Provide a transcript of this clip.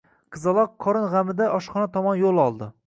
Qizaloq qorin g`amida oshxona tomon yo`l oldi